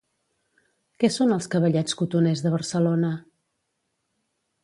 Què són els Cavallets Cotoners de Barcelona?